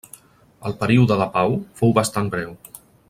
El període de pau fou bastant breu.